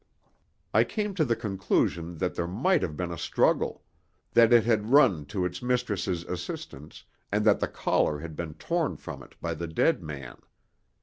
I came to the conclusion that there might have been a struggle; that it had run to its mistress's assistance, and that the collar had been torn from it by the dead man.